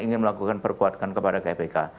ingin melakukan perkuatan kepada kpk